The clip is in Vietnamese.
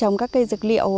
trồng các cây dược liệu